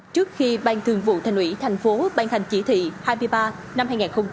trước khi ban thường vụ thành ủy tp hcm ban thành chỉ thị hai mươi ba năm hai nghìn một mươi chín